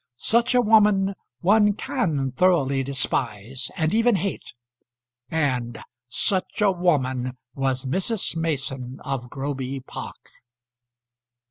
Such a woman one can thoroughly despise, and even hate; and such a woman was Mrs. Mason of Groby Park.